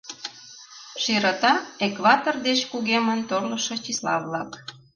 Широта — экватор деч кугемын торлышо числа-влак.